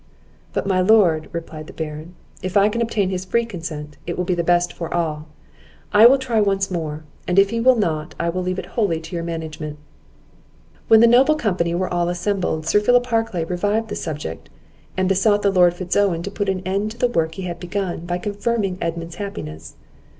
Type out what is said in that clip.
"But, my Lord," replied the Baron, "if I can obtain his free consent, it will be the best for all; I will try once more, and if he will not, I will leave it wholly to your management." When the noble company were all assembled, Sir Philip Harclay revived the subject, and besought the Lord Fitz Owen to put an end to the work he had begun, by confirming Edmund's happiness.